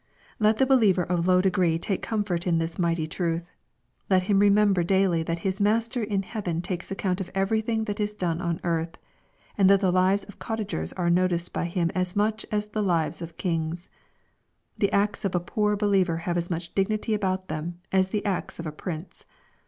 Let the believer of low degree take comfort in this mighty truth. Let him remember daily that his Master in heaven takes account of every thing that is done on earth, and that the lives of cottagers are noticed by Him as much as the lives of kings. The acts of a poor believer have as much dignity about them as the acts of a prince.